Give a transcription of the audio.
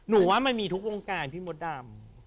หนูว่ามันมีทุกโรงการพี่หมดดำ